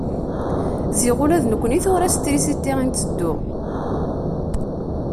Ziɣ ula d nekni tura s trisiti i nteddu.